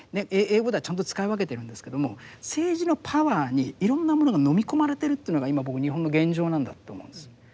英語ではちゃんと使い分けてるんですけども政治のパワーにいろんなものがのみ込まれてるというのが今僕日本の現状なんだって思うんです。